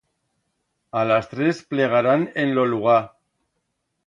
A las tres plegarán en lo lugar.